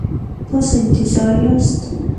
تاسو انتظار یاست؟